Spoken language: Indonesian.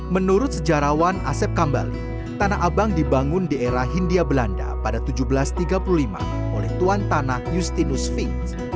menurut sejarawan asep kambali tanah abang dibangun di era hindia belanda pada seribu tujuh ratus tiga puluh lima oleh tuan tanah justinus fins